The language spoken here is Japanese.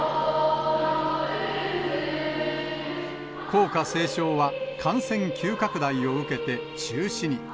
校歌斉唱は感染急拡大を受けて中止に。